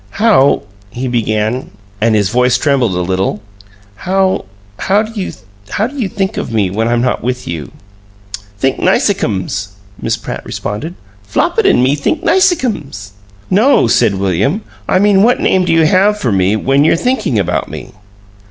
"How " he began, and his voice trembled a little. "How how do you how do you think of me when I'm not with you?" "Think nice cums," Miss Pratt responded. "Flopit an' me think nice cums." "No," said William; "I mean what name do you have for me when you're when you're thinking about me?"